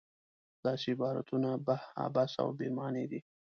داسې عبارتونه عبث او بې معنا دي.